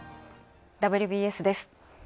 「ＷＢＳ」です。